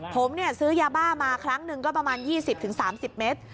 ผมซื้อยาบ้ามาครั้งหนึ่งก็ประมาณ๒๐๓๐เมตร